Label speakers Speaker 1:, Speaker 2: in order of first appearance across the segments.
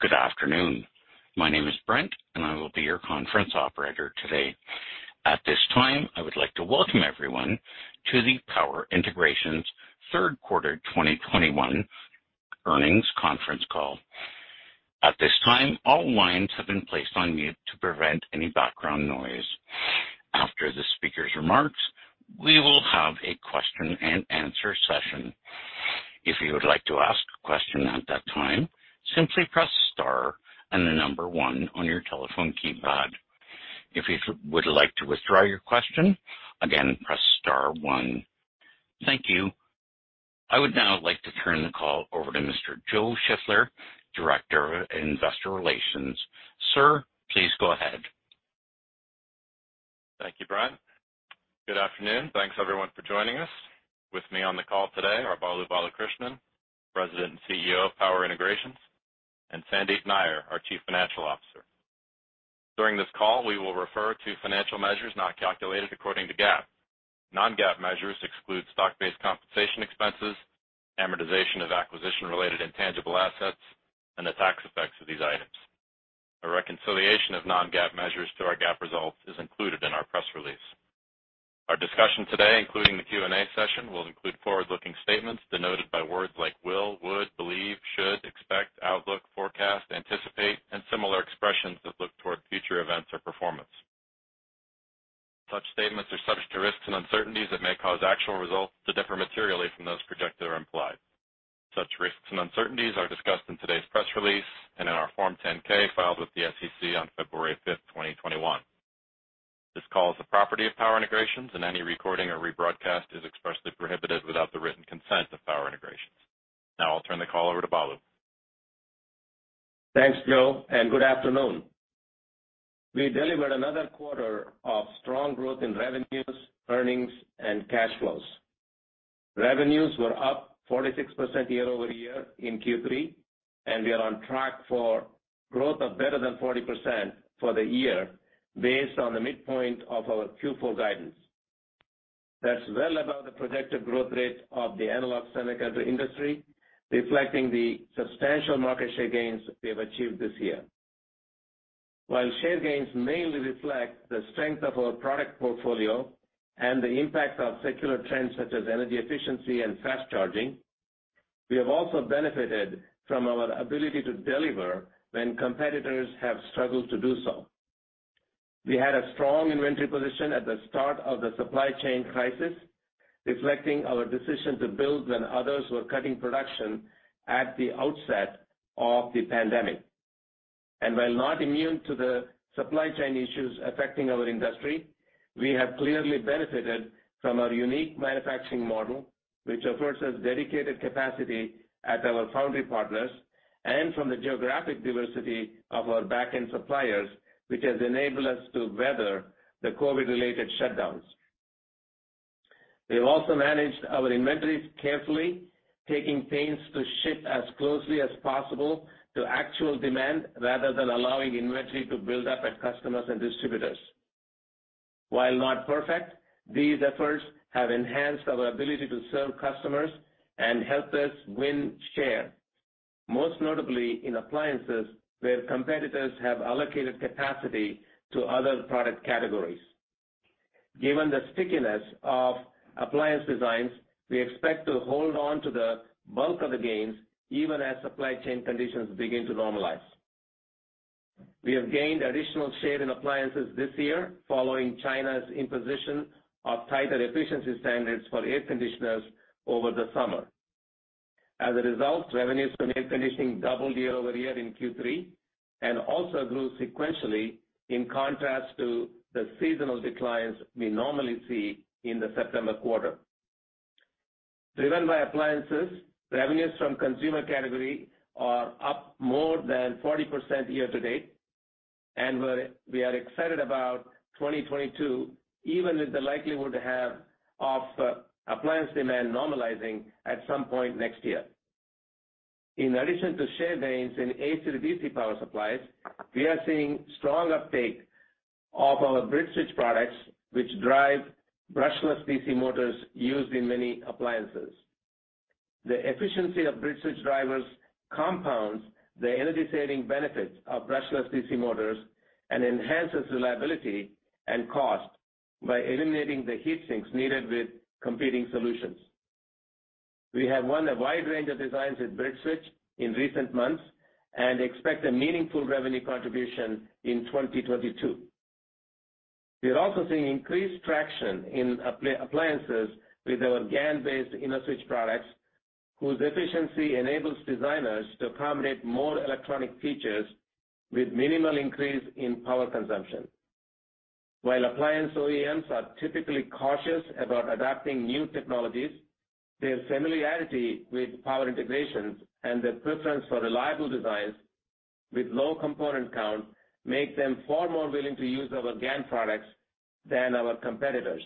Speaker 1: Good afternoon. My name is Brent, and I will be your conference operator today. At this time, I would like to welcome everyone to the Power Integrations third quarter 2021 earnings conference call. At this time, all lines have been placed on mute to prevent any background noise. After the speaker's remarks, we will have a question-and-answer session. If you would like to ask a question at that time, simply press star and the 1 staron your telephone keypad. If you would like to withdraw your question, again, press star one. Thank you. I would now like to turn the call over to Mr. Joe Shiffler, Director of Investor Relations. Sir, please go ahead.
Speaker 2: Thank you, Brent. Good afternoon. Thanks everyone for joining us. With me on the call today are Balu Balakrishnan, President and CEO of Power Integrations, and Sandeep Nayyar, our Chief Financial Officer. During this call, we will refer to financial measures not calculated according to GAAP. Non-GAAP measures exclude stock-based compensation expenses, amortization of acquisition-related intangible assets, and the tax effects of these items. A reconciliation of Non-GAAP measures to our GAAP results is included in our press release. Our discussion today, including the Q&A session, will include forward-looking statements denoted by words like
Speaker 3: We had a strong inventory position at the start of the supply chain crisis, reflecting our decision to build when others were cutting production at the outset of the pandemic. While not immune to the supply chain issues affecting our industry, we have clearly benefited from our unique manufacturing model, which affords us dedicated capacity at our foundry partners and from the geographic diversity of our back-end suppliers, which has enabled us to weather the COVID-related shutdowns. We have also managed our inventories carefully, taking pains to ship as closely as possible to actual demand rather than allowing inventory to build up at customers and distributors. While not perfect, these efforts have enhanced our ability to serve customers and helped us win share, most notably in appliances where competitors have allocated capacity to other product categories. Given the stickiness of appliance designs, we expect to hold on to the bulk of the gains even as supply chain conditions begin to normalize. We have gained additional share in appliances this year following China's imposition of tighter efficiency standards for air conditioners over the summer. As a result, revenues from air conditioning doubled year-over-year in Q3 and also grew sequentially in contrast to the seasonal declines we normally see in the September quarter. Driven by appliances, revenues from consumer category are up more than 40% year to date, and we are excited about 2022, even with the likelihood of having appliance demand normalizing at some point next year. In addition to share gains in AC to DC power supplies, we are seeing strong uptake of our BridgeSwitch products, which drive brushless DC motors used in many appliances. The efficiency of BridgeSwitch drivers compounds the energy-saving benefits of brushless DC motors and enhances reliability and cost by eliminating the heat sinks needed with competing solutions. We have won a wide range of designs with BridgeSwitch in recent months and expect a meaningful revenue contribution in 2022. We are also seeing increased traction in appliances with our GaN-based InnoSwitch products, whose efficiency enables designers to accommodate more electronic features with minimal increase in power consumption. While appliance OEMs are typically cautious about adopting new technologies, their familiarity with Power Integrations and their preference for reliable designs with low component count make them far more willing to use our GaN products than our competitors.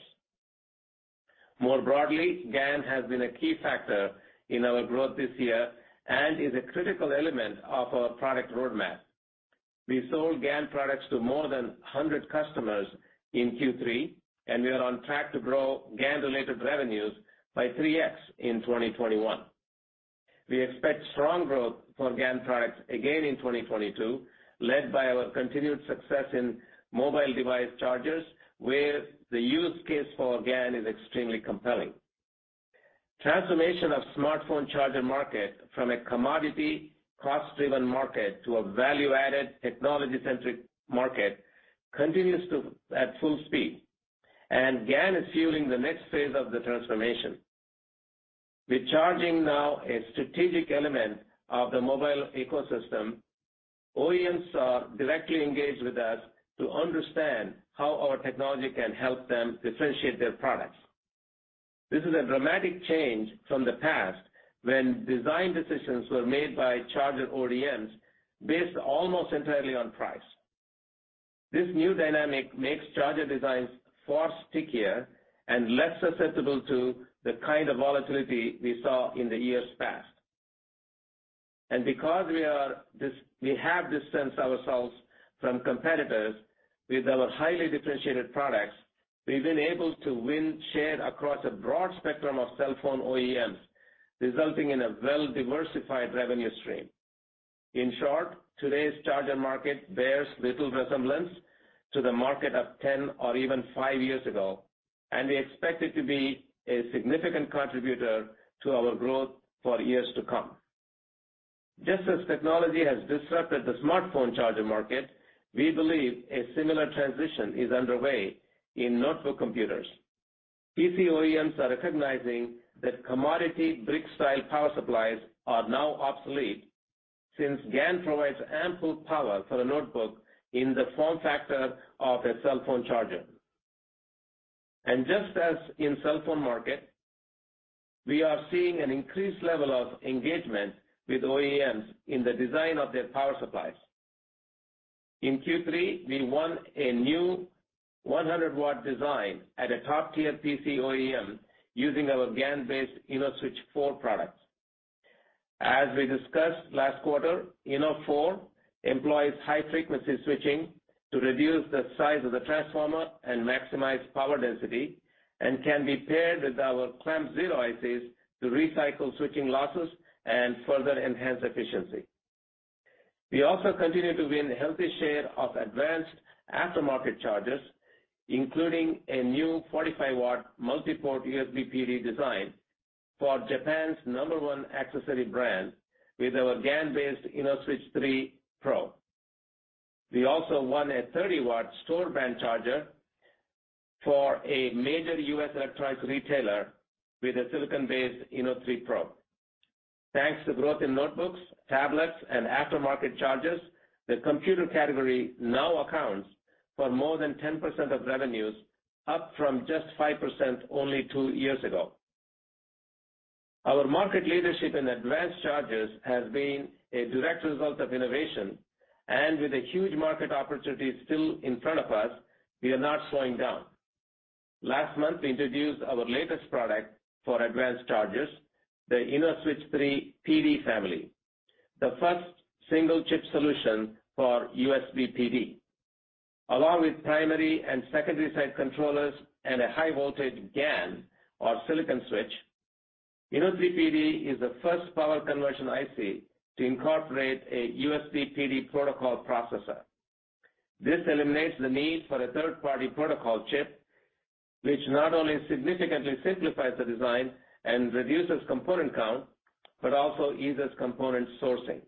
Speaker 3: More broadly, GaN has been a key factor in our growth this year and is a critical element of our product roadmap. We sold GaN products to more than 100 customers in Q3, and we are on track to grow GaN-related revenues by 3x in 2021. We expect strong growth for GaN products again in 2022, led by our continued success in mobile device chargers, where the use case for GaN is extremely compelling. Transformation of smartphone charger market from a commodity cost-driven market to a value-added, technology-centric market continues at full speed, and GaN is fueling the next phase of the transformation. With charging now a strategic element of the mobile ecosystem, OEMs are directly engaged with us to understand how our technology can help them differentiate their products. This is a dramatic change from the past when design decisions were made by charger ODMs based almost entirely on price. This new dynamic makes charger designs far stickier and less susceptible to the kind of volatility we saw in the years past. Because we have distanced ourselves from competitors with our highly differentiated products, we've been able to win share across a broad spectrum of cell phone OEMs, resulting in a well-diversified revenue stream. In short, today's charger market bears little resemblance to the market of 10 or even 5 years ago, and we expect it to be a significant contributor to our growth for years to come. Just as technology has disrupted the smartphone charger market, we believe a similar transition is underway in notebook computers. PC OEMs are recognizing that commodity brick-style power supplies are now obsolete since GaN provides ample power for the notebook in the form factor of a cell phone charger. Just as in cell phone market, we are seeing an increased level of engagement with OEMs in the design of their power supplies. In Q3, we won a new 100-watt design at a top-tier PC OEM using our GaN-based InnoSwitch4 products. As we discussed last quarter, InnoSwitch4 employs high-frequency switching to reduce the size of the transformer and maximize power density and can be paired with our ClampZero ICs to recycle switching losses and further enhance efficiency. We also continue to win healthy share of advanced aftermarket chargers, including a new 45-watt multi-port USB PD design for Japan's number-one accessory brand with our GaN-based InnoSwitch3-Pro. We also won a 30-watt store brand charger for a major U.S. electronics retailer with a silicon-based InnoSwitch3-Pro. Thanks to growth in notebooks, tablets, and aftermarket chargers, the computer category now accounts for more than 10% of revenues, up from just 5% only two years ago. Our market leadership in advanced chargers has been a direct result of innovation, and with a huge market opportunity still in front of us, we are not slowing down. Last month, we introduced our latest product for advanced chargers, the InnoSwitch3-PD family, the first single chip solution for USB PD. Along with primary and secondary side controllers and a high voltage GaN or silicon switch, InnoSwitch3-PD is the first power conversion IC to incorporate a USB PD protocol processor. This eliminates the need for a third-party protocol chip, which not only significantly simplifies the design and reduces component count, but also eases component sourcing.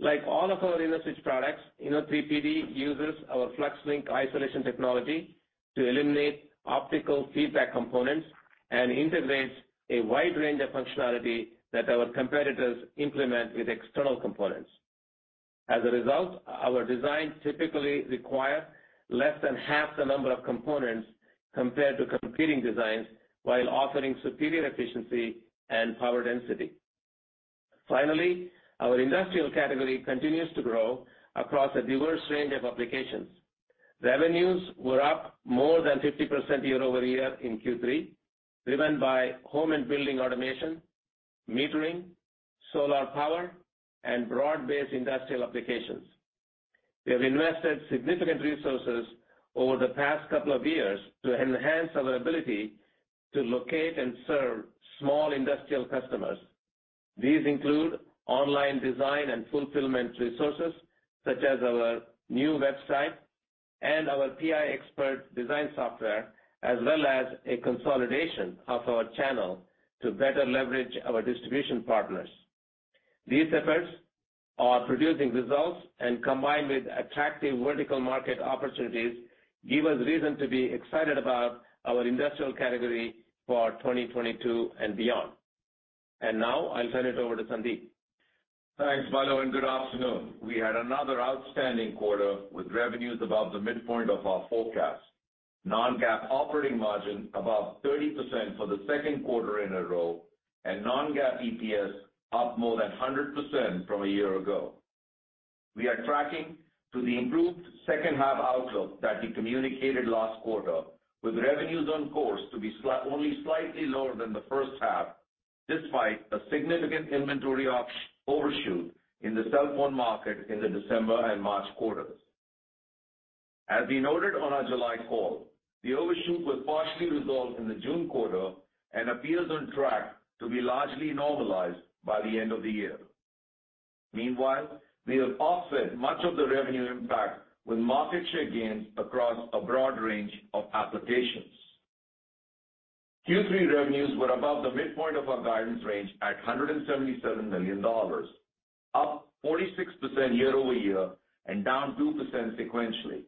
Speaker 3: Like all of our InnoSwitch products, InnoSwitch3-PD uses our FluxLink isolation technology to eliminate optical feedback components and integrates a wide range of functionality that our competitors implement with external components. As a result, our designs typically require less than half the number of components compared to competing designs, while offering superior efficiency and power density. Finally, our industrial category continues to grow across a diverse range of applications. Revenues were up more than 50% year-over-year in Q3, driven by home and building automation, metering, solar power, and broad-based industrial applications. We have invested significant resources over the past couple of years to enhance our ability to locate and serve small industrial customers. These include online design and fulfillment resources, such as our new website and our PI Expert design software, as well as a consolidation of our channel to better leverage our distribution partners. These efforts are producing results, and combined with attractive vertical market opportunities, give us reason to be excited about our industrial category for 2022 and beyond. Now I'll turn it over to Sandeep.
Speaker 4: Thanks, Balu, and good afternoon. We had another outstanding quarter with revenues above the midpoint of our forecast. Non-GAAP operating margin above 30% for the second quarter in a row and Non-GAAP EPS up more than 100% from a year ago. We are tracking to the improved second half outlook that we communicated last quarter, with revenues on course to be only slightly lower than the first half. Despite a significant inventory overshoot in the cell phone market in the December and March quarters. As we noted on our July call, the overshoot was partially resolved in the June quarter and appears on track to be largely normalized by the end of the year. Meanwhile, we have offset much of the revenue impact with market share gains across a broad range of applications. Q3 revenues were above the midpoint of our guidance range at $177 million, up 46% year-over-year and down 2% sequentially.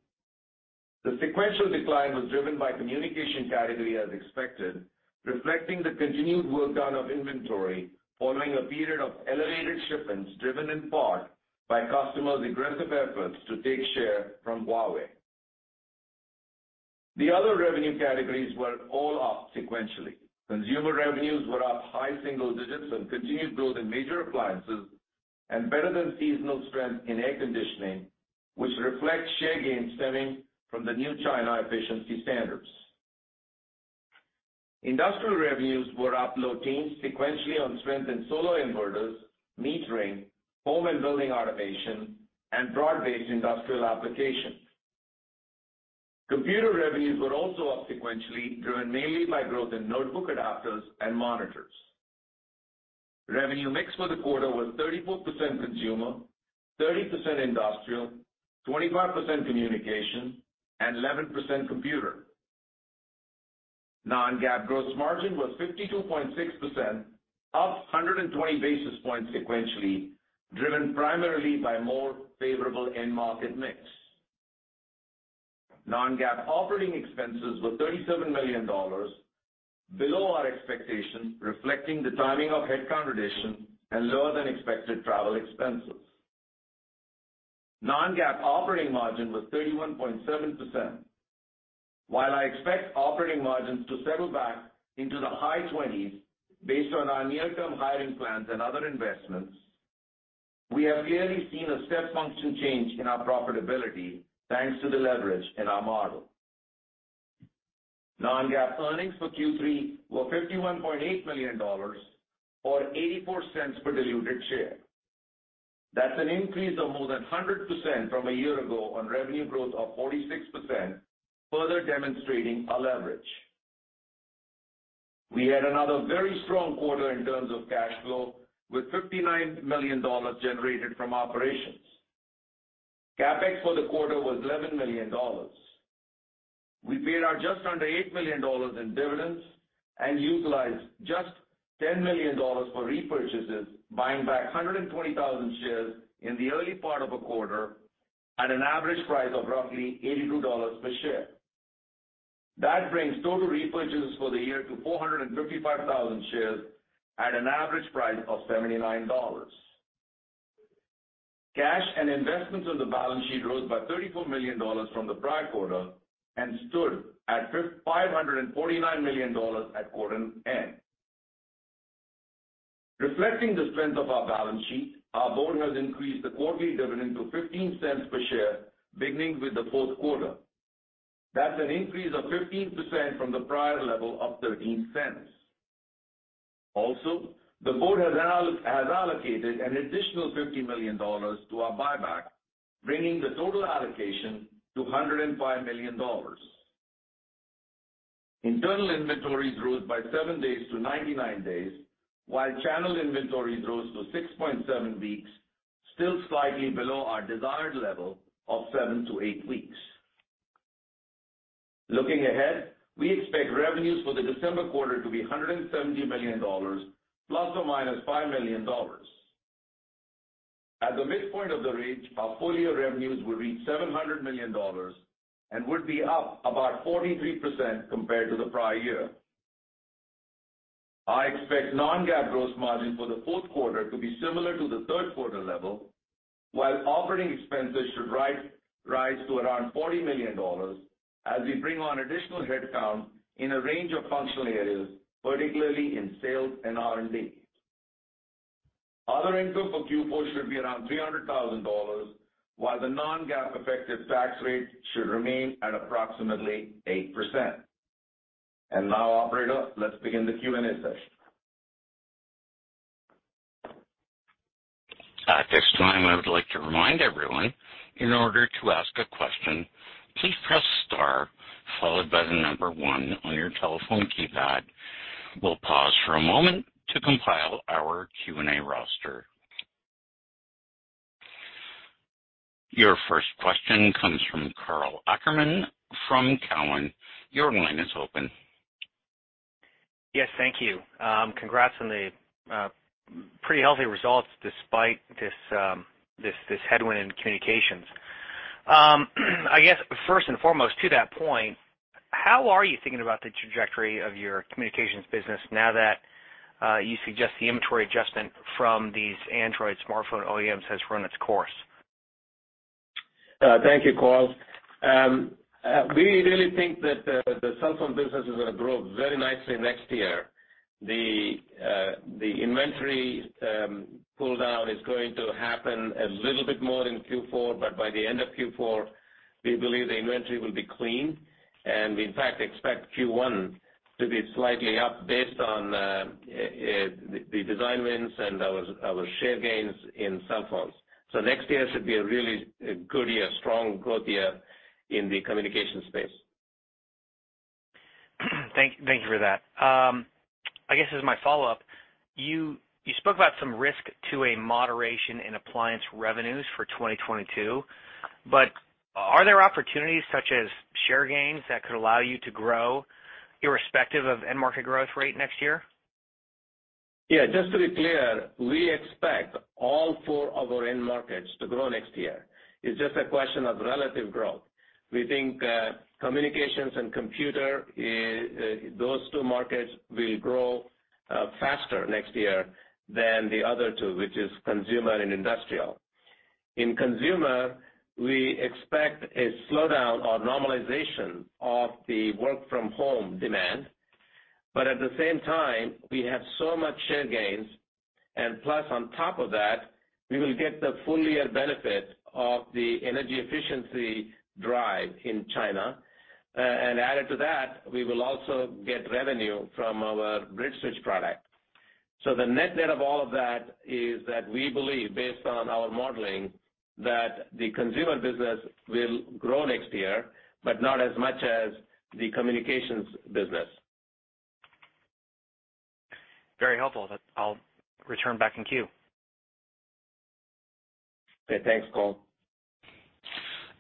Speaker 4: The sequential decline was driven by communication category as expected, reflecting the continued work down of inventory following a period of elevated shipments driven in part by customers' aggressive efforts to take share from Huawei. The other revenue categories were all up sequentially. Consumer revenues were up high single digits and continued growth in major appliances and better than seasonal strength in air conditioning, which reflects share gains stemming from the new China efficiency standards. Industrial revenues were up low teens sequentially on strength in solar inverters, metering, home and building automation, and broad-based industrial applications. Computer revenues were also up sequentially, driven mainly by growth in notebook adapters and monitors. Revenue mix for the quarter was 34% consumer, 30% industrial, 25% communication, and 11% computer. Non-GAAP gross margin was 52.6%, up 120 basis points sequentially, driven primarily by more favorable end market mix. Non-GAAP operating expenses were $37 million, below our expectations, reflecting the timing of headcount additions and lower than expected travel expenses. Non-GAAP operating margin was 31.7%. While I expect operating margins to settle back into the high 20s based on our near-term hiring plans and other investments, we have clearly seen a step function change in our profitability, thanks to the leverage in our model. Non-GAAP earnings for Q3 were $51.8 million, or $0.84 per diluted share. That's an increase of more than 100% from a year ago on revenue growth of 46%, further demonstrating our leverage. We had another very strong quarter in terms of cash flow, with $59 million generated from operations. CapEx for the quarter was $11 million. We paid out just under $8 million in dividends and utilized just $10 million for repurchases, buying back 120,000 shares in the early part of the quarter at an average price of roughly $82 per share. That brings total repurchases for the year to 455,000 shares at an average price of $79. Cash and investments on the balance sheet rose by $34 million from the prior quarter and stood at $549 million at quarter end. Reflecting the strength of our balance sheet, our board has increased the quarterly dividend to $0.15 per share, beginning with the fourth quarter. That's an increase of 15% from the prior level of $0.13. Also, the board has allocated an additional $50 million to our buyback, bringing the total allocation to $105 million. Internal inventories rose by 7 days to 99 days, while channel inventories rose to 6.7 weeks, still slightly below our desired level of 7-8 weeks. Looking ahead, we expect revenues for the December quarter to be $170 million ± $5 million. At the midpoint of the range, our full year revenues will reach $700 million and would be up about 43% compared to the prior year. I expect Non-GAAP gross margin for the fourth quarter to be similar to the third quarter level, while operating expenses should rise to around $40 million as we bring on additional headcount in a range of functional areas, particularly in sales and R&D. Other income for Q4 should be around $300,000, while the Non-GAAP effective tax rate should remain at approximately 8%. Now, operator, let's begin the Q&A session.
Speaker 1: At this time, I would like to remind everyone in order to ask a question, please press star followed by one on your telephone keypad. We'll pause for a moment to compile our Q&A roster. Your first question comes from Karl Ackerman from Cowen. Your line is open.
Speaker 5: Yes, thank you. Congrats on the pretty healthy results despite this headwind in communications. I guess first and foremost to that point, how are you thinking about the trajectory of your communications business now that you suggest the inventory adjustment from these Android smartphone OEMs has run its course?
Speaker 3: Thank you, Karl. We really think that the cell phone business is gonna grow very nicely next year. The inventory pull-down is going to happen a little bit more in Q4, but by the end of Q4, we believe the inventory will be clean. We, in fact, expect Q1To be slightly up based on the design wins and our share gains in cell phones. Next year should be a really good year, strong growth year in the communication space.
Speaker 5: Thank you for that. I guess as my follow-up, you spoke about some risk to a moderation in appliance revenues for 2022. Are there opportunities such as share gains that could allow you to grow irrespective of end market growth rate next year?
Speaker 3: Yeah, just to be clear, we expect all four of our end markets to grow next year. It's just a question of relative growth. We think, communications and computer, those two markets will grow faster next year than the other two, which is consumer and industrial. In consumer, we expect a slowdown or normalization of the work from home demand. At the same time, we have so much share gains, and plus on top of that, we will get the full year benefit of the energy efficiency drive in China. And added to that, we will also get revenue from our BridgeSwitch product. The net-net of all of that is that we believe, based on our modeling, that the consumer business will grow next year, but not as much as the communications business.
Speaker 5: Very helpful. I'll return back in queue.
Speaker 3: Okay, thanks, Cole.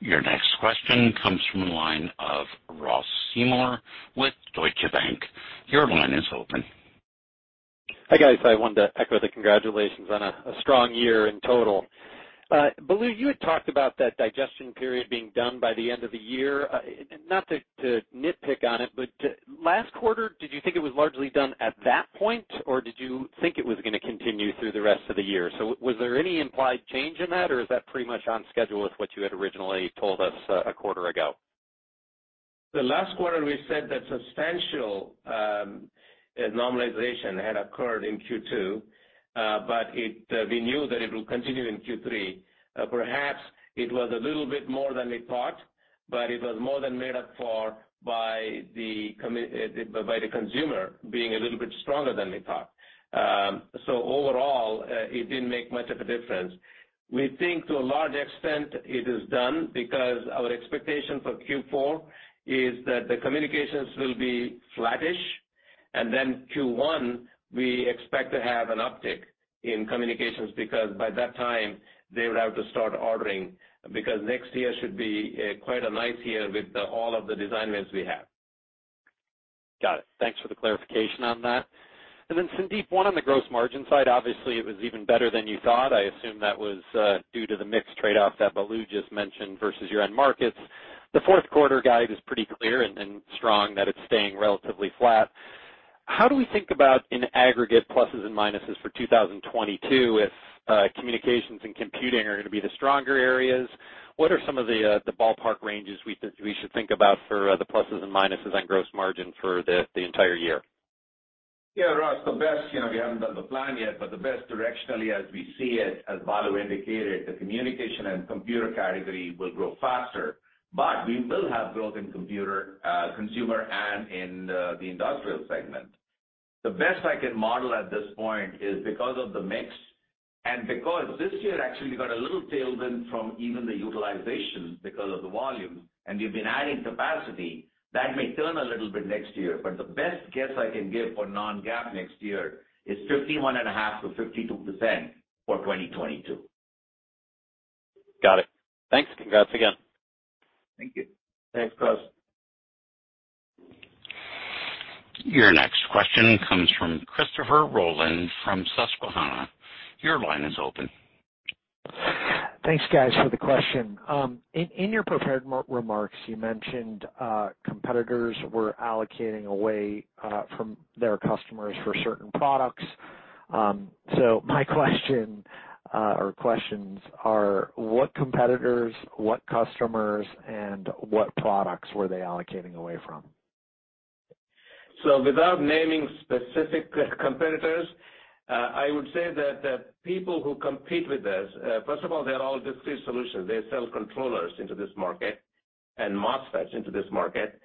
Speaker 1: Your next question comes from the line of Ross Seymore with Deutsche Bank. Your line is open.
Speaker 6: Hi, guys. I want to echo the congratulations on a strong year in total. Balu, you had talked about that digestion period being done by the end of the year. Not to nitpick on it, but last quarter, did you think it was largely done at that point, or did you think it was gonna continue through the rest of the year? Was there any implied change in that, or is that pretty much on schedule with what you had originally told us a quarter ago?
Speaker 3: The last quarter, we said that substantial normalization had occurred in Q2, but we knew that it will continue in Q3. Perhaps it was a little bit more than we thought, but it was more than made up for by the consumer being a little bit stronger than we thought. Overall, it didn't make much of a difference. We think to a large extent it is done because our expectation for Q4 is that the communications will be flattish, and then Q1, we expect to have an uptick in communications, because by that time, they would have to start ordering, because next year should be quite a nice year with all of the design wins we have.
Speaker 6: Got it. Thanks for the clarification on that. Then Sandeep, one on the gross margin side, obviously, it was even better than you thought. I assume that was due to the mix trade-off that Balu just mentioned versus your end markets. The fourth quarter guide is pretty clear and strong that it's staying relatively flat. How do we think about in aggregate pluses and minuses for 2022, if communications and computing are gonna be the stronger areas, what are some of the ballpark ranges we should think about for the pluses and minuses on gross margin for the entire year?
Speaker 4: Yeah, Ross, the best, you know, we haven't done the plan yet, but the best directionally as we see it, as Balu indicated, the communication and computer category will grow faster. We will have growth in computer, consumer and in the industrial segment. The best I can model at this point is because of the mix and because this year actually got a little tailed in from even the utilizations because of the volume, and we've been adding capacity, that may turn a little bit next year. The best guess I can give for Non-GAAP next year is 51.5%-52% for 2022.
Speaker 6: Got it. Thanks. Congrats again.
Speaker 4: Thank you.
Speaker 3: Thanks, Ross.
Speaker 1: Your next question comes from Christopher Rolland from Susquehanna. Your line is open.
Speaker 7: Thanks, guys, for the question. In your prepared remarks, you mentioned competitors were allocating away from their customers for certain products. My question or questions are, what competitors, what customers, and what products were they allocating away from?
Speaker 3: Without naming specific competitors, I would say that the people who compete with us, first of all, they're all discrete solutions. They sell controllers into this market and MOSFETs into this market.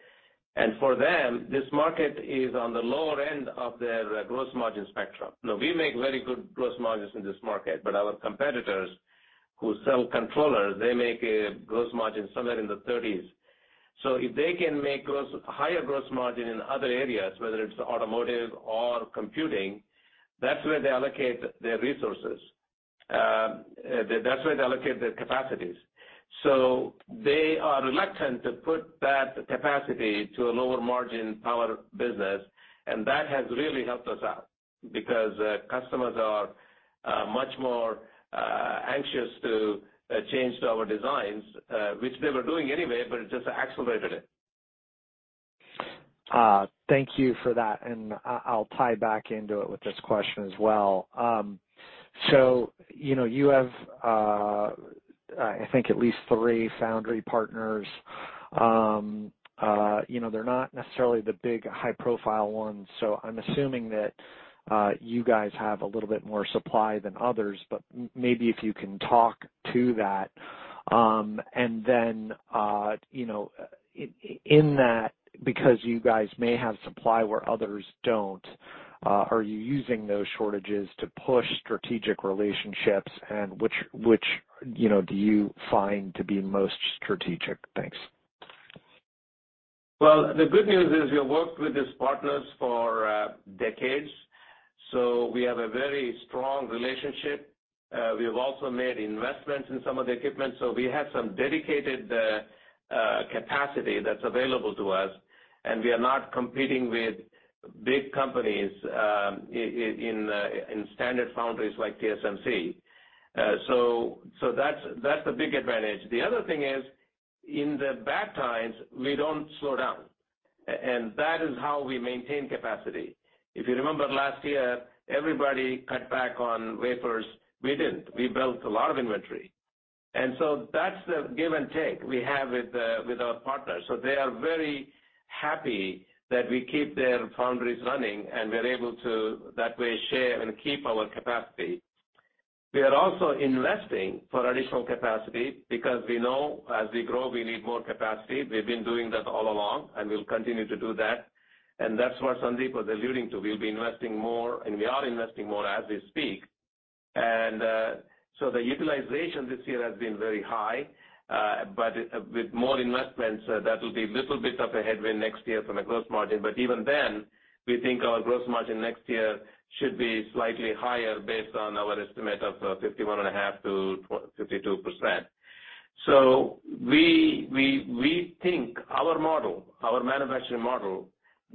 Speaker 3: For them, this market is on the lower end of their gross margin spectrum. Now, we make very good gross margins in this market, but our competitors who sell controllers, they make a gross margin somewhere in the 30s%. If they can make higher gross margin in other areas, whether it's automotive or computing, that's where they allocate their resources. That's where they allocate their capacities. They are reluctant to put that capacity to a lower margin power business, and that has really helped us out because customers are much more anxious to change to our designs, which they were doing anyway, but it just accelerated it.
Speaker 7: Thank you for that, and I'll tie back into it with this question as well. You know, you have, I think at least three foundry partners. You know, they're not necessarily the big high-profile ones, so I'm assuming that you guys have a little bit more supply than others, but maybe if you can talk to that. You know, in that, because you guys may have supply where others don't, are you using those shortages to push strategic relationships? Which, you know, do you find to be most strategic? Thanks.
Speaker 3: Well, the good news is we have worked with these partners for decades, so we have a very strong relationship. We have also made investments in some of the equipment, so we have some dedicated capacity that's available to us, and we are not competing with big companies in standard foundries like TSMC. So that's a big advantage. The other thing is, in the bad times, we don't slow down. That is how we maintain capacity. If you remember last year, everybody cut back on wafers. We didn't. We built a lot of inventory. That's the give and take we have with our partners. They are very happy that we keep their foundries running, and we're able to, that way, share and keep our capacity. We are also investing for additional capacity because we know as we grow, we need more capacity. We've been doing that all along, and we'll continue to do that. That's what Sandeep was alluding to. We'll be investing more, and we are investing more as we speak. The utilization this year has been very high, but with more investments, that will be little bit of a headwind next year from a gross margin. Even then, we think our gross margin next year should be slightly higher based on our estimate of 51.5%-52%. We think our model, our manufacturing model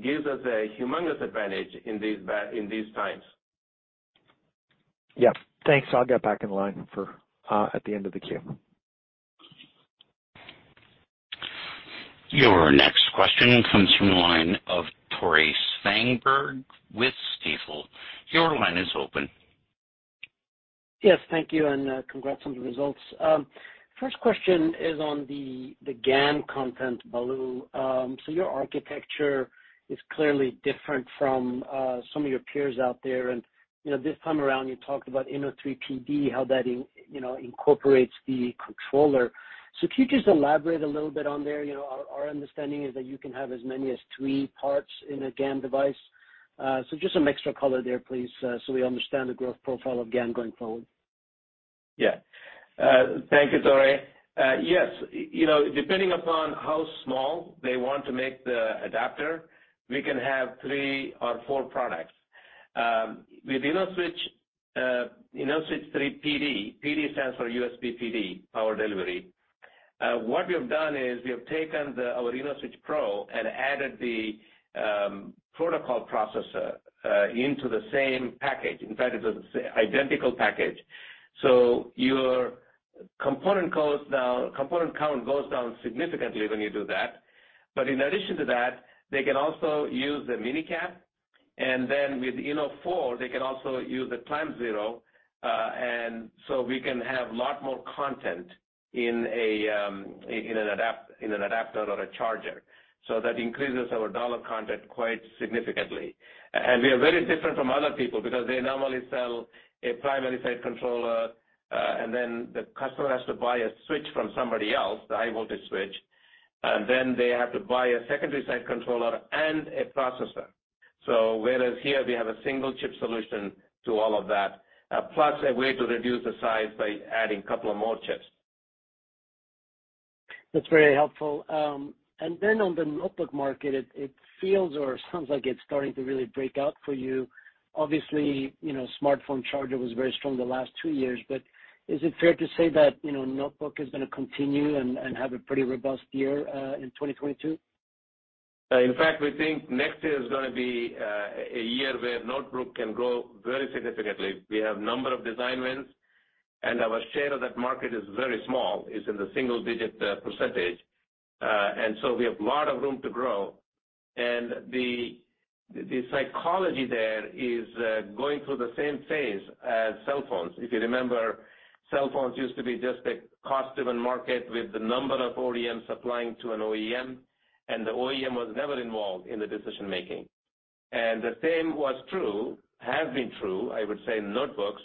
Speaker 3: gives us a humongous advantage in these times.
Speaker 7: Yeah. Thanks. I'll get back in line for, at the end of the queue.
Speaker 1: Your next question comes from the line of Tore Svanberg with Stifel. Your line is open.
Speaker 8: Yes, thank you, and congrats on the results. First question is on the GaN content, Balu. Your architecture is clearly different from some of your peers out there. You know, this time around, you talked about InnoSwitch3-PD, how that in, you know, incorporates the controller. Could you just elaborate a little bit on there? You know, our understanding is that you can have as many as three parts in a GaN device. Just some extra color there, please, so we understand the growth profile of GaN going forward.
Speaker 3: Yeah. Thank you, Tore. Yes. You know, depending upon how small they want to make the adapter, we can have three or four products. With InnoSwitch, InnoSwitch3-PD, PD stands for USB PD, power delivery. What we have done is we have taken our InnoSwitch3-Pro and added the protocol processor into the same package. In fact, it's the identical package. So your component count goes down significantly when you do that. But in addition to that, they can also use the MinE-CAP. And then with InnoSwitch4, they can also use the ClampZero. We can have a lot more content in an adapter or a charger. So that increases our dollar content quite significantly. We are very different from other people because they normally sell a primary side controller, and then the customer has to buy a switch from somebody else, the high voltage switch, and then they have to buy a secondary side controller and a processor. Whereas here we have a single chip solution to all of that, plus a way to reduce the size by adding couple of more chips.
Speaker 8: That's very helpful. On the notebook market, it feels or sounds like it's starting to really break out for you. Obviously, you know, smartphone charger was very strong the last two years, but is it fair to say that, you know, notebook is gonna continue and have a pretty robust year in 2022?
Speaker 3: In fact, we think next year is gonna be a year where notebook can grow very significantly. We have a number of design wins, and our share of that market is very small; it's in the single-digit %. We have a lot of room to grow. The psychology there is going through the same phase as cell phones. If you remember, cell phones used to be just a cost-driven market with the number of ODMs supplying to an OEM, and the OEM was never involved in the decision making. The same was true, has been true, I would say, in notebooks,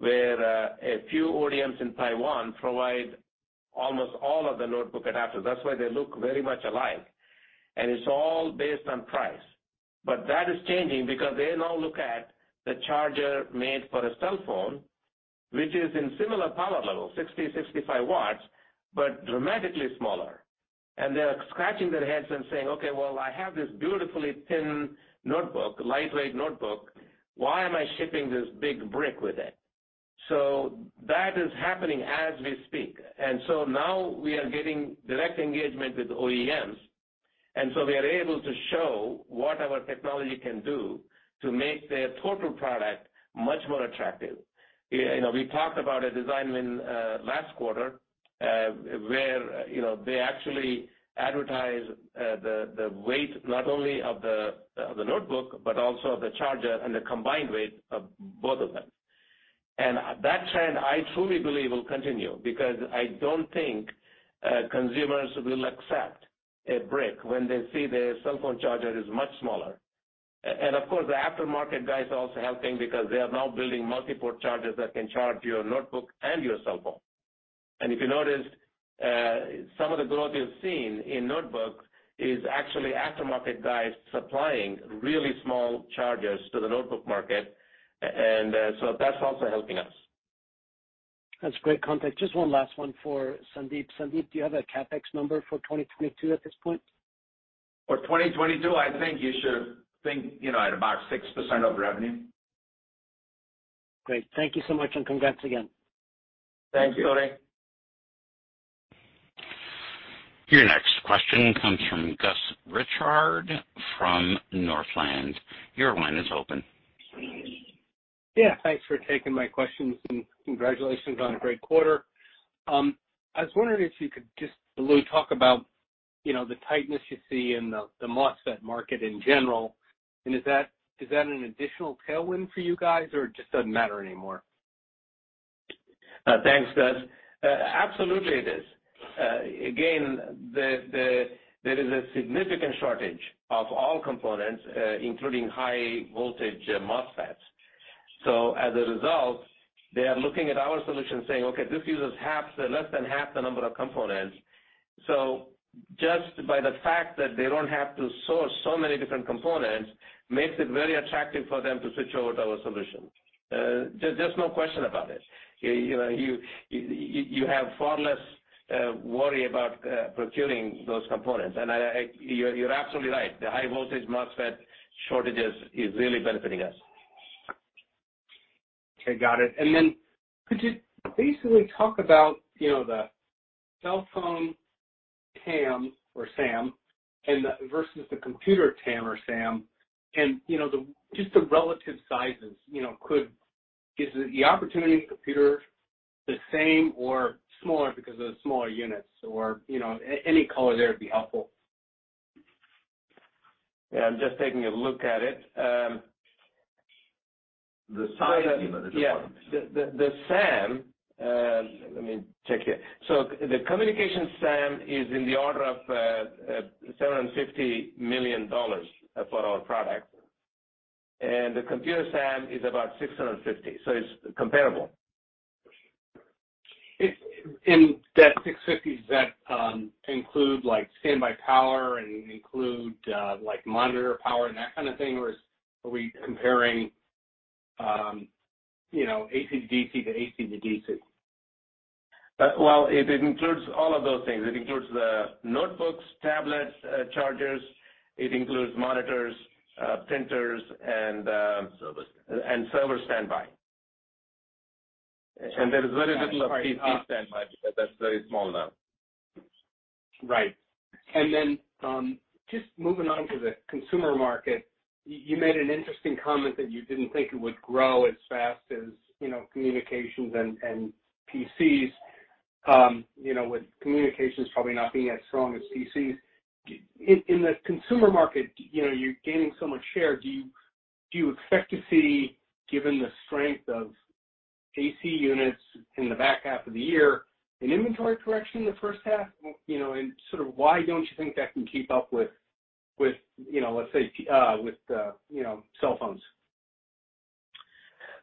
Speaker 3: where a few ODMs in Taiwan provide almost all of the notebook adapters. That's why they look very much alike, and it's all based on price. That is changing because they now look at the charger made for a cell phone, which is in similar power level, 60-65 watts, but dramatically smaller. They're scratching their heads and saying, "Okay, well, I have this beautifully thin notebook, lightweight notebook, why am I shipping this big brick with it?" That is happening as we speak. Now we are getting direct engagement with OEMs, and so we are able to show what our technology can do to make their total product much more attractive. You know, we talked about a design win last quarter, where, you know, they actually advertise the weight not only of the notebook, but also of the charger and the combined weight of both of them. That trend, I truly believe will continue, because I don't think consumers will accept a brick when they see their cell phone charger is much smaller. Of course, the aftermarket guys are also helping because they are now building multi-port chargers that can charge your notebook and your cell phone. If you noticed, some of the growth we've seen in notebooks is actually aftermarket guys supplying really small chargers to the notebook market. That's also helping us.
Speaker 8: That's great context. Just one last one for Sandeep. Sandeep, do you have a CapEx number for 2022 at this point?
Speaker 4: For 2022, I think you should think, you know, at about 6% of revenue.
Speaker 8: Great. Thank you so much, and congrats again.
Speaker 4: Thank you.
Speaker 3: Thank you.
Speaker 1: Your next question comes from Gus Richard from Northland. Your line is open.
Speaker 9: Yeah, thanks for taking my questions, and congratulations on a great quarter. I was wondering if you could just a little talk about, you know, the tightness you see in the MOSFET market in general. Is that an additional tailwind for you guys or it just doesn't matter anymore?
Speaker 3: Thanks, Gus. Absolutely, it is. Again, there is a significant shortage of all components, including high voltage MOSFETs. As a result, they are looking at our solution saying, "Okay, this uses less than half the number of components." Just by the fact that they don't have to source so many different components makes it very attractive for them to switch over to our solution. There's no question about it. You know, you have far less worry about procuring those components. You're absolutely right. The high voltage MOSFET shortages is really benefiting us.
Speaker 9: Okay, got it. Could you basically talk about, you know, the cell phone TAM or SAM and then versus the computer TAM or SAM and, you know, just the relative sizes. You know, is the opportunity in computer the same or smaller because of the smaller units? Or, you know, any color there would be helpful.
Speaker 3: Yeah, I'm just taking a look at it.
Speaker 4: The size Yeah. Let me check here. The communication SAM is in the order of $750 million for our product, and the computer SAM is about $650 million, so it's comparable.
Speaker 9: Is it in that 650? Does that include like standby power and like monitor power and that kind of thing? Or are we comparing AC to DC to AC to DC?
Speaker 3: Well, it includes all of those things. It includes the notebooks, tablets, chargers. It includes monitors, printers and
Speaker 4: Server standby.
Speaker 3: Server standby. There is very little PC standby because that's very small now.
Speaker 9: Right. Just moving on to the consumer market, you made an interesting comment that you didn't think it would grow as fast as, you know, communications and PCs, you know, with communications probably not being as strong as PCs. In the consumer market, you know, you're gaining so much share, do you expect to see, given the strength of AC units in the back half of the year, an inventory correction in the first half? You know, and sort of why don't you think that can keep up with, you know, let's say, cell phones?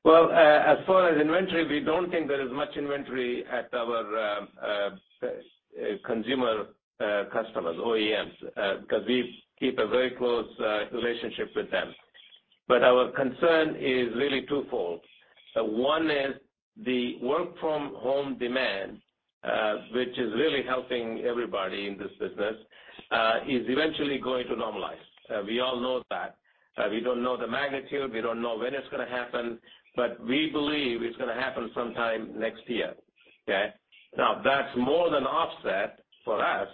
Speaker 3: Well, as far as inventory, we don't think there is much inventory at our consumer customers, OEMs, 'cause we keep a very close relationship with them. Our concern is really twofold. One is the work from home demand, which is really helping everybody in this business, is eventually going to normalize. We all know that. We don't know the magnitude. We don't know when it's gonna happen, but we believe it's gonna happen sometime next year, okay? Now, that's more than offset for us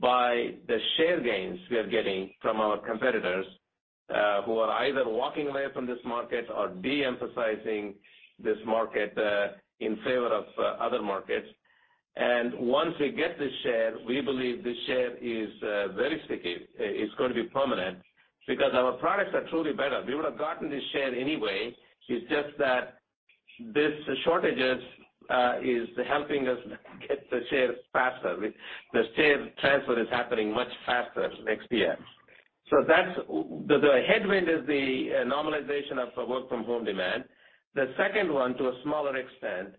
Speaker 3: by the share gains we are getting from our competitors, who are either walking away from this market or de-emphasizing this market, in favor of other markets. Once we get the share, we believe the share is very sticky. It's going to be permanent because our products are truly better. We would have gotten this share anyway. It's just that this shortages is helping us get the shares faster. The share transfer is happening much faster next year. That's the headwind is the normalization of the work from home demand. The second one, to a smaller extent,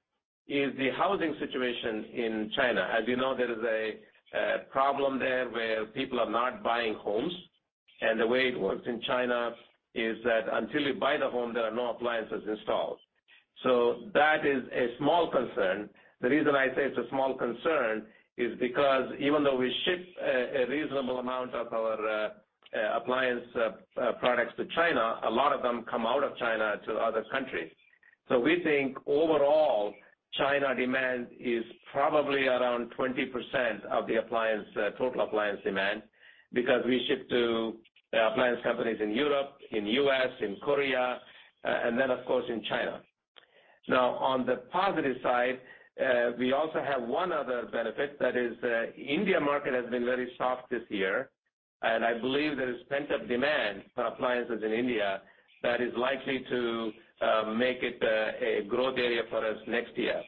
Speaker 3: is the housing situation in China. As you know, there is a problem there where people are not buying homes. The way it works in China is that until you buy the home, there are no appliances installed. That is a small concern. The reason I say it's a small concern is because even though we ship a reasonable amount of our appliance products to China, a lot of them come out of China to other countries. We think overall, China demand is probably around 20% of the appliance total appliance demand because we ship to appliance companies in Europe, in U.S., in Korea, and then of course in China. Now, on the positive side, we also have one other benefit that is, India market has been very soft this year. I believe there is pent-up demand for appliances in India that is likely to make it a growth area for us next year.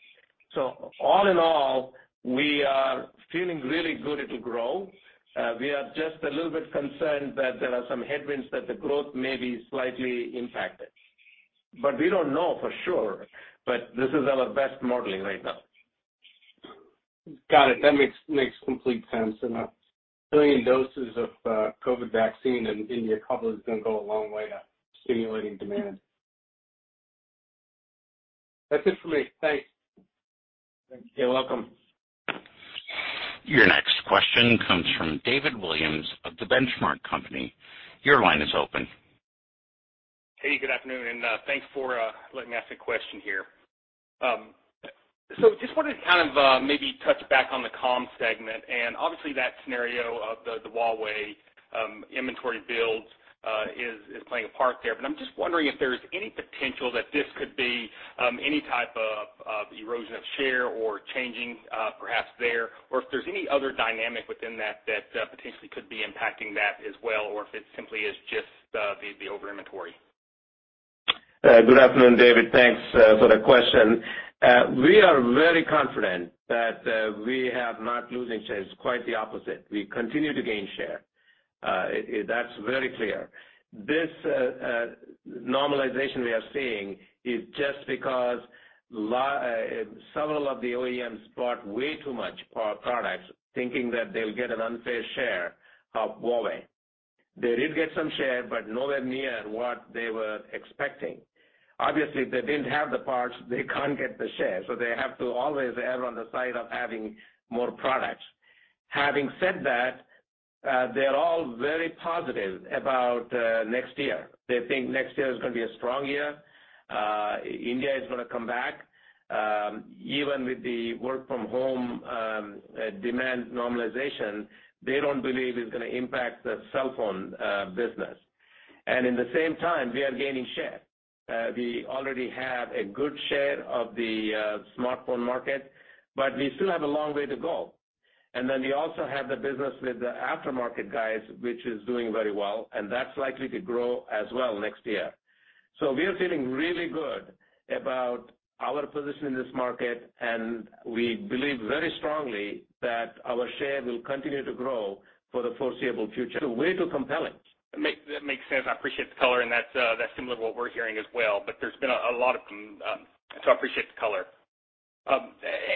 Speaker 3: All in all, we are feeling really good it will grow. We are just a little bit concerned that there are some headwinds that the growth may be slightly impacted. We don't know for sure, but this is our best modeling right now.
Speaker 9: Got it. That makes complete sense. 1 billion doses of COVID vaccine in India probably is gonna go a long way to stimulating demand. That's it for me. Thanks.
Speaker 3: You're welcome.
Speaker 1: Your next question comes from David Williams of The Benchmark Company. Your line is open.
Speaker 10: Hey, good afternoon, and thanks for letting me ask a question here. So just wanted to kind of maybe touch back on the comms segment, and obviously that scenario of the Huawei inventory build is playing a part there. But I'm just wondering if there's any potential that this could be any type of erosion of share or changing perhaps there, or if there's any other dynamic within that that potentially could be impacting that as well, or if it simply is just the over-inventory.
Speaker 3: Good afternoon, David. Thanks for the question. We are very confident that we are not losing shares, quite the opposite. We continue to gain share. That's very clear. This normalization we are seeing is just because several of the OEMs bought way too much products thinking that they'll get an unfair share of Huawei. They did get some share, but nowhere near what they were expecting. Obviously, if they didn't have the parts, they can't get the share, so they have to always err on the side of having more products. Having said that, they're all very positive about next year. They think next year is gonna be a strong year. India is gonna come back. Even with the work from home demand normalization, they don't believe it's gonna impact the cell phone business. At the same time, we are gaining share. We already have a good share of the smartphone market, but we still have a long way to go. We also have the business with the aftermarket guys, which is doing very well, and that's likely to grow as well next year. We are feeling really good about our position in this market, and we believe very strongly that our share will continue to grow for the foreseeable future. Way too compelling.
Speaker 10: That makes sense. I appreciate the color, and that's similar to what we're hearing as well. I appreciate the color.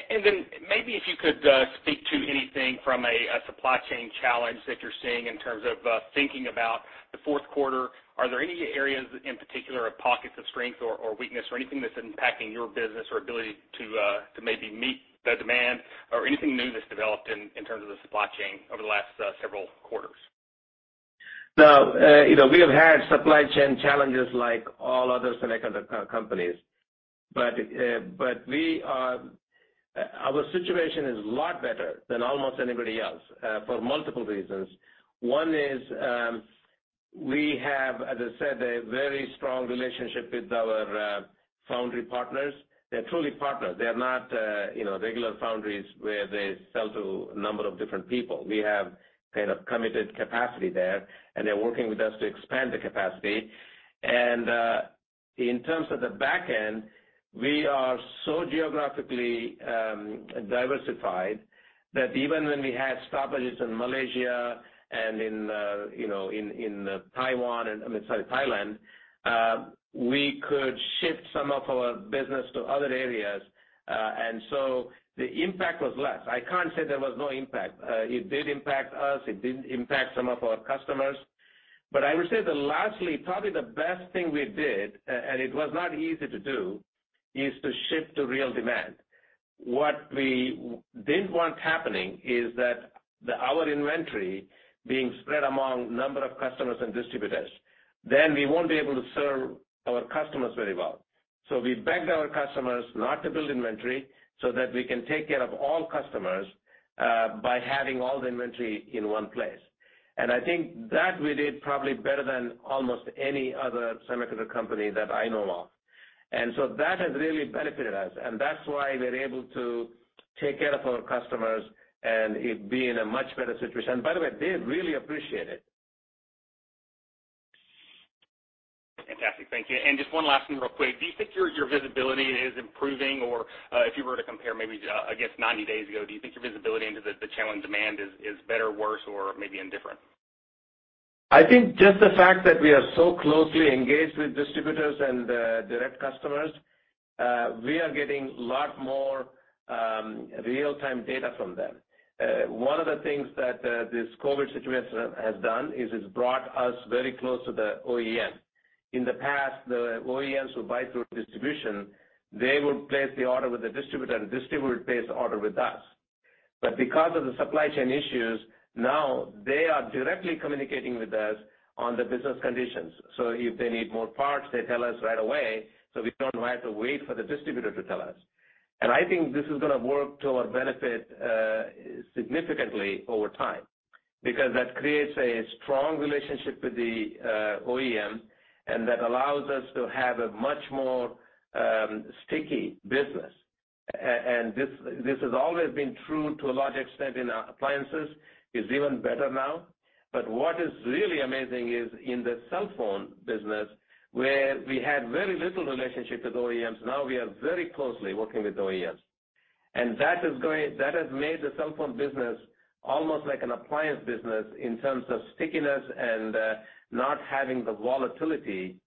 Speaker 10: Maybe if you could speak to anything from a supply chain challenge that you're seeing in terms of thinking about the fourth quarter. Are there any areas in particular of pockets of strength or weakness or anything that's impacting your business or ability to maybe meet the demand or anything new that's developed in terms of the supply chain over the last several quarters?
Speaker 3: Now, you know, we have had supply chain challenges like all other semiconductor companies. Our situation is a lot better than almost anybody else, for multiple reasons. One is, we have, as I said, a very strong relationship with our foundry partners. They're truly partners. They are not, you know, regular foundries where they sell to a number of different people. We have kind of committed capacity there, and they're working with us to expand the capacity. In terms of the back end, we are so geographically diversified that even when we had stoppages in Malaysia and in, you know, in Thailand, we could shift some of our business to other areas. The impact was less. I can't say there was no impact. It did impact us. It did impact some of our customers. I would say that lastly, probably the best thing we did, and it was not easy to do, is to shift to real demand. What we didn't want happening is that the, our inventory being spread among a number of customers and distributors, then we won't be able to serve our customers very well. We begged our customers not to build inventory so that we can take care of all customers, by having all the inventory in one place. I think that we did probably better than almost any other semiconductor company that I know of. That has really benefited us, and that's why we're able to take care of our customers and it be in a much better situation. By the way, they really appreciate it.
Speaker 10: Fantastic. Thank you. Just one last thing real quick. Do you think your visibility is improving? Or, if you were to compare maybe, I guess 90 days ago, do you think your visibility into the channel and demand is better, worse, or maybe indifferent?
Speaker 3: I think just the fact that we are so closely engaged with distributors and direct customers, we are getting a lot more real-time data from them. One of the things that this COVID situation has done is it's brought us very close to the OEM. In the past, the OEMs would buy through distribution. They would place the order with the distributor, the distributor would place the order with us. Because of the supply chain issues, now they are directly communicating with us on the business conditions. If they need more parts, they tell us right away, so we don't have to wait for the distributor to tell us. I think this is gonna work to our benefit significantly over time, because that creates a strong relationship with the OEM, and that allows us to have a much more sticky business. This has always been true to a large extent in our appliances. It's even better now. What is really amazing is in the cell phone business, where we had very little relationship with OEMs, now we are very closely working with OEMs. That has made the cell phone business almost like an appliance business in terms of stickiness and not having the volatility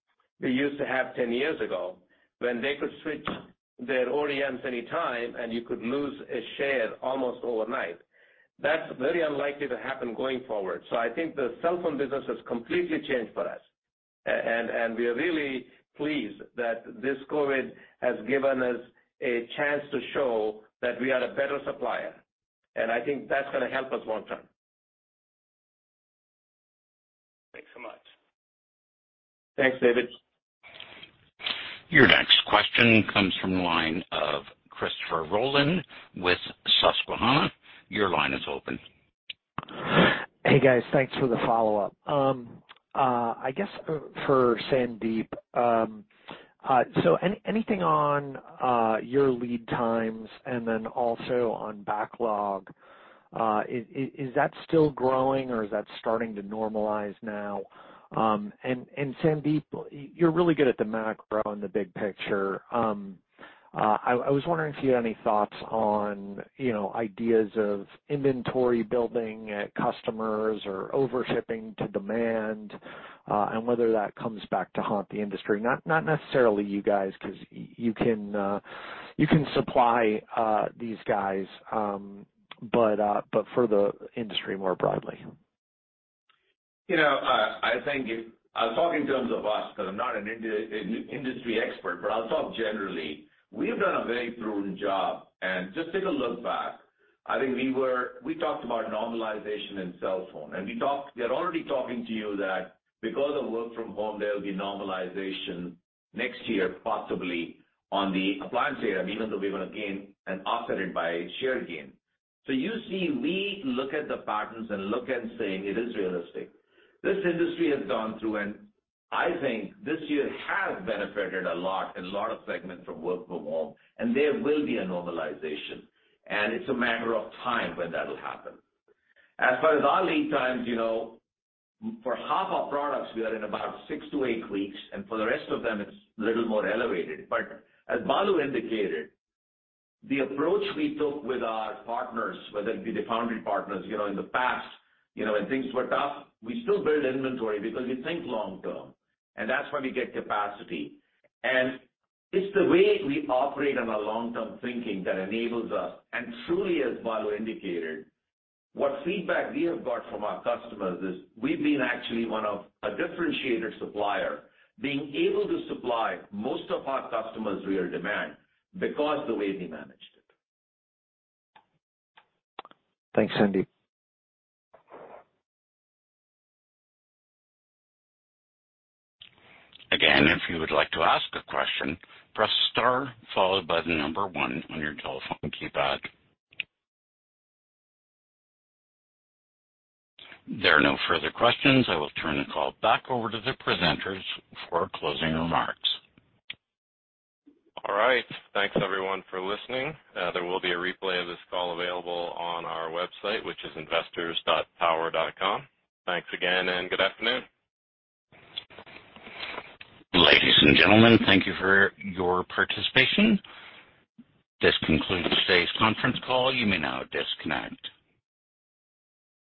Speaker 3: we used to have 10 years ago when they could switch their OEMs anytime and you could lose a share almost overnight. That's very unlikely to happen going forward. I think the cell phone business has completely changed for us, and we are really pleased that this COVID has given us a chance to show that we are a better supplier. I think that's gonna help us long term.
Speaker 2: Thanks so much.
Speaker 4: Thanks, David.
Speaker 1: Your next question comes from the line of Christopher Rolland with Susquehanna. Your line is open.
Speaker 7: Hey, guys. Thanks for the follow-up. I guess for Sandeep, so anything on your lead times and then also on backlog, is that still growing or is that starting to normalize now? Sandeep, you're really good at the macro and the big picture. I was wondering if you had any thoughts on, you know, ideas of inventory building at customers or over shipping to demand, and whether that comes back to haunt the industry. Not necessarily you guys, 'cause you can supply these guys, but for the industry more broadly.
Speaker 4: You know, I think I'll talk in terms of us because I'm not an industry expert, but I'll talk generally. We have done a very prudent job and just take a look back. I think we talked about normalization in cell phone, and we are already talking to you that because of work from home there will be normalization next year possibly on the appliance area even though we're going to gain and offset it by share gain. You see we look at the patterns and saying it is realistic. This industry has gone through and I think this year has benefited a lot of segments from work from home and there will be a normalization and it's a matter of time when that will happen. As far as our lead times, you know, for half our products we are in about 6-8 weeks and for the rest of them it's a little more elevated. As Balu indicated, the approach we took with our partners, whether it be the foundry partners, you know, in the past, you know, when things were tough, we still build inventory because we think long term and that's when we get capacity. It's the way we operate on a long-term thinking that enables us and truly as Balu indicated, what feedback we have got from our customers is we've been actually one of a differentiator supplier being able to supply most of our customers real demand because the way we managed it.
Speaker 7: Thanks, Sandeep.
Speaker 1: Again, if you would like to ask a question, press star followed by the number one on your telephone keypad. There are no further questions. I will turn the call back over to the presenters for closing remarks.
Speaker 2: All right. Thanks everyone for listening. There will be a replay of this call available on our website which is investors.power.com. Thanks again and good afternoon.
Speaker 1: Ladies and gentlemen, thank you for your participation. This concludes today's conference call. You may now disconnect.